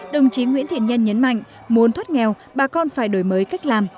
đồng chí nguyễn thiện nhân nhấn mạnh muốn thoát nghèo bà con phải đổi mới cách làm